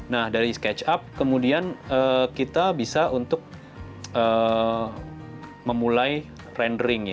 nah dari sketchup kemudian kita bisa untuk memulai rendering